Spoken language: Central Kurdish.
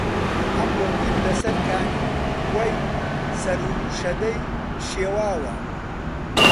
ئەمڕۆ دیم لەسەر کانی وەی سەر و شەدەی شێواوە